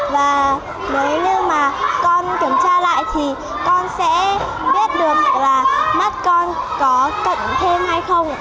và nếu như mà con kiểm tra lại thì con sẽ biết được là mắt con có cận thêm hay không